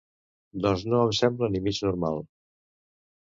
Doncs no em sembla ni mig normal.